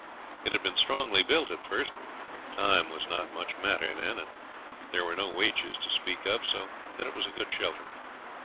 It had been strongly built at first; time was not much matter then, and there were no wages to speak of, so that it was a good shelter.